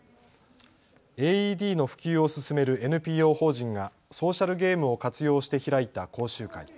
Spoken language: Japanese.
ＡＥＤの普及を進めるＮＰＯ法人がソーシャルゲームを活用して開いた講習会。